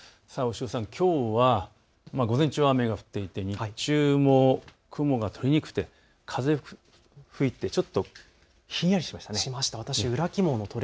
きょうは午前中は雨が降って日中も風が吹いてちょっとひんやりしましたね。